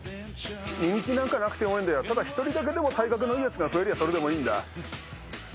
人気なんかなくてもいいんだよ、ただ、一人だけでも体格のいいやつが増えりゃそれでもういいんだ。